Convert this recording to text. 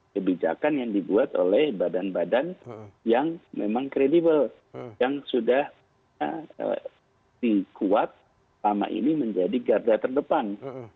kebijakan yang dibuat oleh badan badan yang memang kredibel yang sudah dikuat selama ini menjadi garda terdepan